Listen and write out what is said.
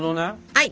はい。